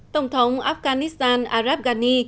tổng thống afghanistan arab ghani